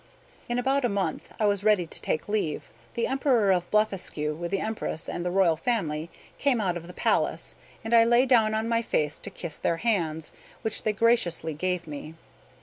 In about a month I was ready to take leave. The Emperor of Blefuscu, with the Empress and the royal family, came out of the palace; and I lay down on my face to kiss their hands, which they graciously gave me.